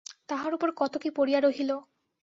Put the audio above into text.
তাহার ওপর কত কী পড়িয়া রহিল।